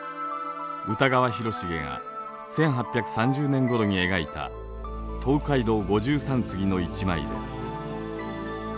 歌川広重が１８３０年ごろに描いた「東海道五十三次」の一枚です。